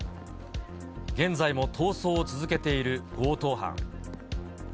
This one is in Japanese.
現在も逃走を続けている強盗犯。